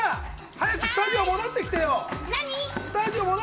早くスタジオ戻ってきてよ。